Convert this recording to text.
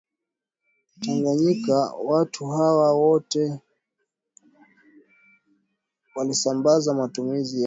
Tanganyika Watu hawa wote walisambaza matumizi ya